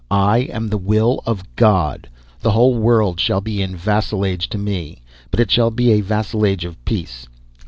I am the will of God. The whole world shall be in vassalage to me, but it shall be a vassalage of peace.